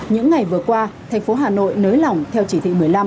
những ngày vừa qua thành phố hà nội nới lỏng theo chỉ thị một mươi năm